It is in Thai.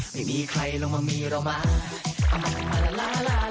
ไม่มีใครลงมามีเราบ้าง